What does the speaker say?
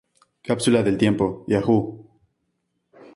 Cápsula del tiempo Yahoo!